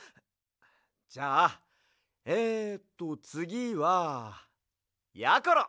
じゃあえっとつぎはやころ！